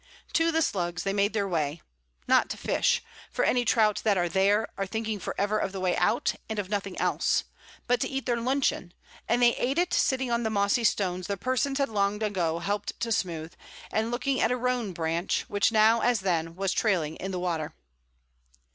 To the Slugs they made their way not to fish, for any trout that are there are thinking for ever of the way out and of nothing else, but to eat their luncheon, and they ate it sitting on the mossy stones their persons had long ago helped to smooth, and looking at a roan branch, which now, as then, was trailing in the water.